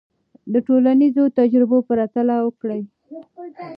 د ټولنیزو تجربو پرتله وکړه.